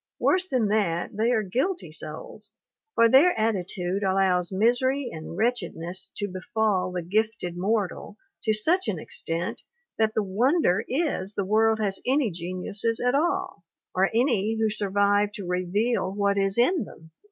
Worse than that, they are guilty souls; for their attitude allows misery and wretchedness to befall the gifted mortal to such an extent that the wonder is the world has any geniuses at all, or any who survive to reveal what is in them.